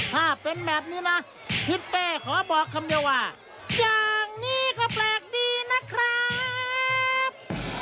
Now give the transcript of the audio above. ถ้าเป็นแบบนี้นะทิศเป้ขอบอกคำเดียวว่าอย่างนี้ก็แปลกดีนะครับ